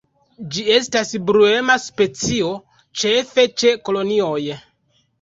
Ĝi estas bruema specio, ĉefe ĉe kolonioj.